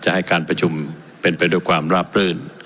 ให้การประชุมเป็นไปด้วยความราบรื่น